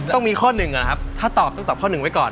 ต้องมีข้อหนึ่งนะครับถ้าตอบต้องตอบข้อหนึ่งไว้ก่อน